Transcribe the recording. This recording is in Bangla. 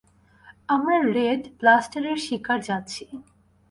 আমরা রেড ব্লাস্টারের শিকারে যাচ্ছি!